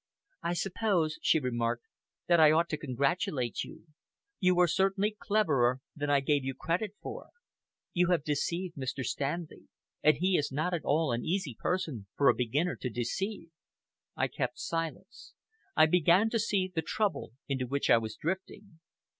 "I suppose," she remarked, "that I ought to congratulate you. You are certainly cleverer than I gave you credit for. You have deceived Mr. Stanley, and he is not at all an easy person for a beginner to deceive." I kept silence. I began to see the trouble into which I was drifting.